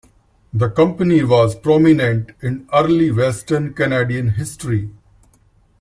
The company was prominent in early Western Canadian history.